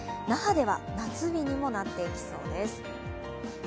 那覇では夏日にもなっていきそうです。